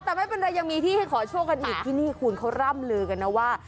แต่ไม่เป็นไรยังมีที่ให้ขอโชคกันอีกที่นี่คุณเขาร่ำลือกันนะว่า